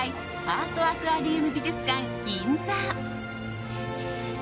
アートアクアリウム美術館ＧＩＮＺＡ。